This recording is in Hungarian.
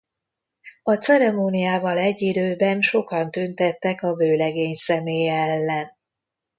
A ceremóniával egy időben sokan tüntettek a vőlegény személye ellen.